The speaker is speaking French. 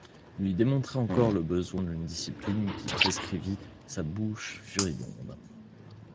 Lui démontrait encore le besoin d'une discipline que prescrivit sa bouche furibonde.